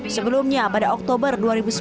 sebelumnya pada oktober